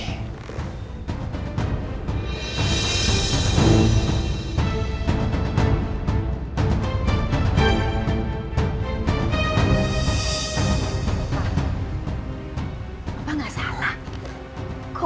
ya umrahku